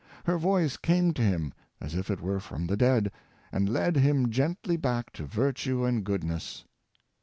Her voice came to him as it were from the dead, and led him gently back to virtue and goodness.